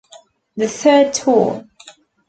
The third tour.